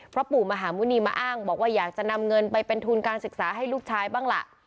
เพราะปู่มหาหมุณีมาอ้างบอกว่าอยากจะนำเงินไปเป็นทุนการศึกษาให้ลูกชายบ้างล่ะ